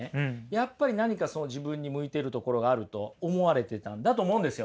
やっぱり何か自分に向いてるところがあると思われてたんだと思うんですよね。